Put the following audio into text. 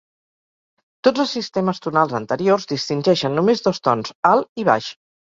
Tots els sistemes tonals anteriors distingeixen només dos tons: alt i baix.